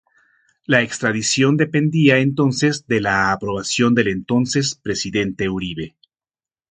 La extradición dependía entonces de la aprobación del entonces Presidente Uribe.